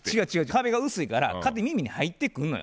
壁が薄いから勝手に耳に入ってくんのよ。